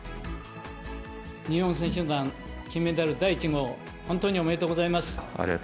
日本選手団金メダル第１号、ありがとうございます。